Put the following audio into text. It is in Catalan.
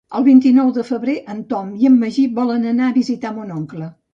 El vint-i-nou de febrer en Tom i en Magí volen anar a visitar mon oncle.